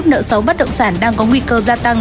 nợ xấu bất động sản đang có nguy cơ gia tăng